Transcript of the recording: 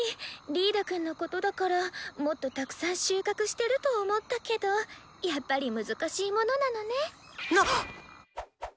リードくんのことだからもっとたくさん収穫してると思ったけどやっぱり難しいものなのね。